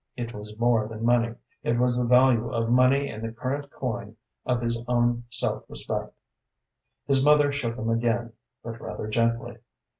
It was more than money; it was the value of money in the current coin of his own self respect. His mother shook him again, but rather gently.